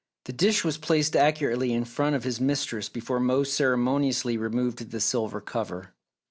The dish was placed accurately in front of his mistress before Mose ceremoniously removed the silver cover.